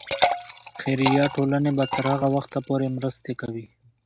خیریه ټولنې به تر هغه وخته پورې مرستې کوي.